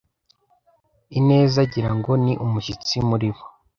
i neza agira ngo ni umushyitsi muri bo